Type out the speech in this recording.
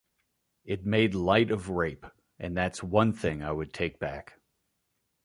It made light of rape, and that's the one thing I would take back.